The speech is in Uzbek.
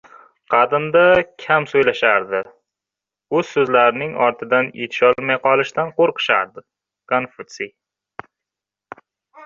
Qadimda kam so‘ylashardi, o‘z so‘zlarining ortidan yetolmay qolishdan qo‘rqishardi. Konfutsiy